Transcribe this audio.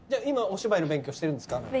今お芝居の勉強してるんですか？